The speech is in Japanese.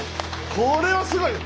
これはすごい。